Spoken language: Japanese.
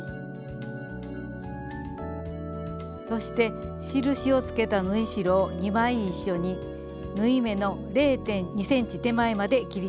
そして印をつけた縫い代を２枚一緒に縫い目の０．２ｃｍ手前まで切り込みを入れます。